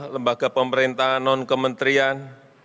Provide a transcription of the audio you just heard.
lembaga pemerintahan non kementrian